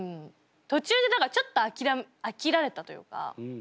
途中でだからちょっとあきらあきられたというか。